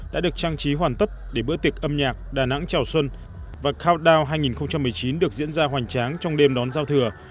đã được trang trí hoàn tất để bữa tiệc âm nhạc đà nẵng chào xuân và countdown hai nghìn một mươi chín được diễn ra hoành tráng trong đêm đón giao thừa